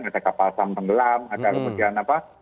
ada kapal sang penggelam ada kebagian apa